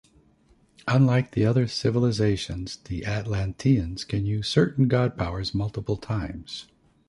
Unlike the other civilizations, the Atlanteans can use certain god powers multiple times.